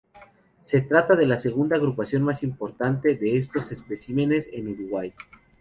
Se trata de la segunda agrupación más importante de estos especímenes en Uruguay.